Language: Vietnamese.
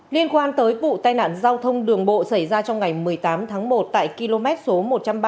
liên quan tới vụ tai nạn giao thông đường bộ xảy ra trong ngày một mươi tám tháng một tại km số một trăm ba mươi